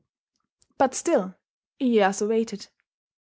But still Iyeyasu waited.